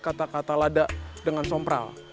kata kata lada dengan sompral